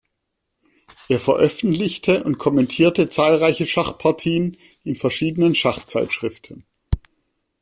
Er veröffentlichte und kommentierte zahlreiche Schachpartien in verschiedenen Schachzeitschriften.